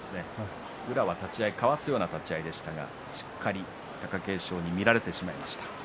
宇良は立ち合いかわすようなあたりでしたがしっかりと貴景勝に見られてしまいました。